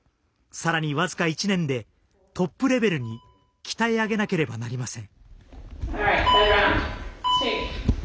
さらに僅か１年でトップレベルに鍛え上げなければなりません。